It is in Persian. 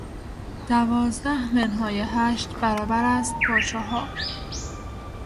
دوازده منهای هشت برابر است با چهار.